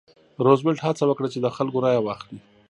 روزولټ هڅه وکړه چې د خلکو رایه واخلي.